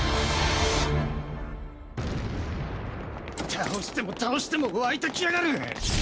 倒しても倒しても湧いてきやがる！